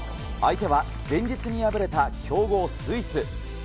相手は前日に敗れた強豪、スイス。